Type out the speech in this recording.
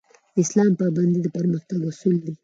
د اسلام پابندي د پرمختګ اصول دي